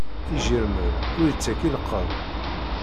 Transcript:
Ijiṛmeḍ ur ittak llqeḍ.